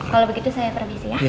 kalau begitu saya permisi ya